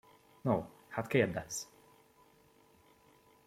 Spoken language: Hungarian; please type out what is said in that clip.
No, hát kérdezz!